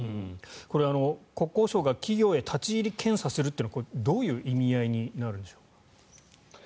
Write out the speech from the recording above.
これは国交省が企業へ立ち入り検査するというのはこれ、どういう意味合いになるんでしょう。